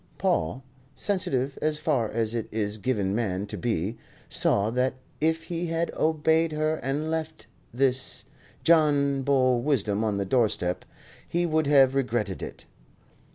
Paul, sensitive as far as it is given man to be, saw that if he had obeyed her and left his John Bull wisdom on the doorstep, he would have regretted it.